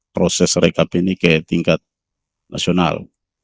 proses rekap ini ke tingkat nasional